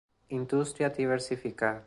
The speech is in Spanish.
Industria diversificada.